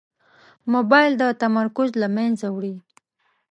موبایل د تمرکز له منځه وړي.